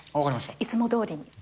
いつもどおり。